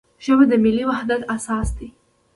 ژبه د ملي وحدت اساس ده.